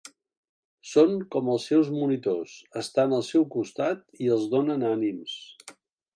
Són com els seus monitors, estan al seu costat i els donen ànims.